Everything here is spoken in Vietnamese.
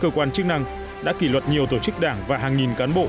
cơ quan chức năng đã kỷ luật nhiều tổ chức đảng và hàng nghìn cán bộ